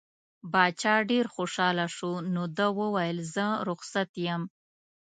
باچا ډېر خوشحاله شو نو ده وویل زه رخصت یم.